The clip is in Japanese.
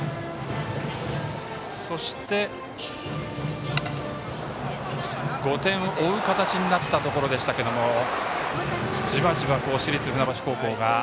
そして、５点を追う形になったところでしたがじわじわと市立船橋高校が。